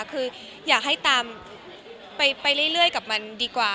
คืออยากให้ตามไปเรื่อยกับมันดีกว่า